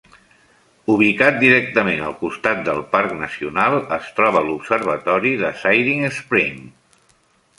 Ubicat directament al costat del parc nacional es troba l'observatori de Siding Spring.